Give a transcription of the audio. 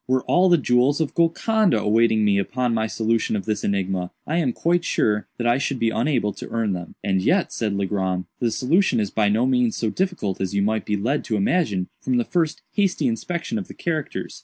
Were all the jewels of Golconda awaiting me upon my solution of this enigma, I am quite sure that I should be unable to earn them." "And yet," said Legrand, "the solution is by no means so difficult as you might be lead to imagine from the first hasty inspection of the characters.